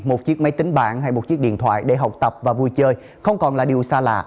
một chiếc máy tính bạn hay một chiếc điện thoại để học tập và vui chơi không còn là điều xa lạ